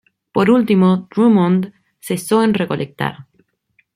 Por último Drummond cesó en recolectar.